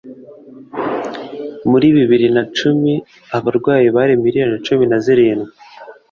Muri bibiri nacumi abarwayi bari million cumi na zirindwi